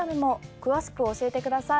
詳しく教えてください。